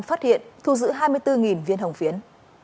phát hiện thu giữ hai mươi bốn viên hồng phiến